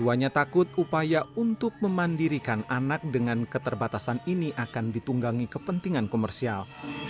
keduanya takut upaya untuk memandirikan anak dengan keterbatasan ini akan ditunggangi kepentingan komersial